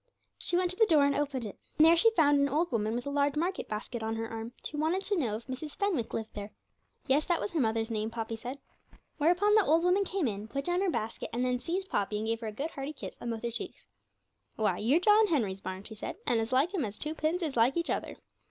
She went to the door and opened it, and there she found an old woman with a large market basket on her arm, who wanted to know if Mrs. Fenwick lived there. Yes, that was her mother's name, Poppy said. Whereupon the old woman came in, put down her basket, and then seized Poppy and gave her a good hearty kiss on both her cheeks. 'Why, you're John Henry's bairn,' she said, 'and as like him as two pins is like each other.'